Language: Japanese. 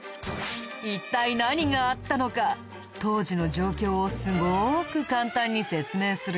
一体何があったのか当時の状況をすごく簡単に説明するよ。